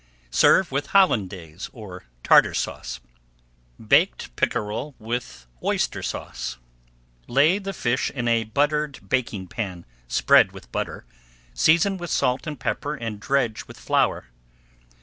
Serve with Hollandaise or Tartar Sauce. BAKED PICKEREL WITH OYSTER SAUCE Lay the fish in a buttered baking pan, spread with butter, season with salt and pepper and dredge with flour.